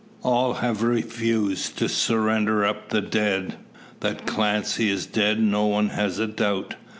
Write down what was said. All have refused to surrender up the dead. That Clancy is dead no one has a doubt.